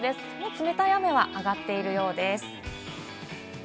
冷たい雨は上がっているようです。